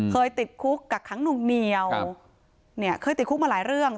ติดคุกกักขังหนุ่งเหนียวเนี่ยเคยติดคุกมาหลายเรื่อง